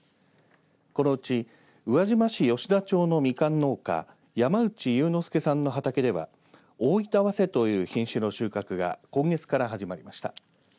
このうち宇和島市吉田町のみかん農家山内勇之介さんの畑では大分早生という品種の収穫が今月から始まりました。